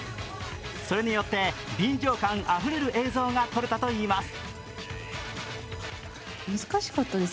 それによって、臨場感あふれる映像が撮れたと言います。